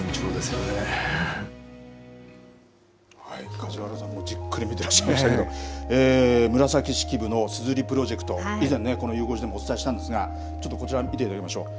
梶原さん、じっくり見ていらっしゃいましたけれども紫式部のすずりプロジェクト以前、ゆう５時でもお伝えしたんですがちょっとこちら見ていただきましょう。